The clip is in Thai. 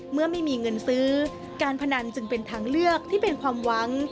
เมื่อไม่มีเงินซื้อการพนันจึงเป็นทางเลือกที่เป็นความหวัง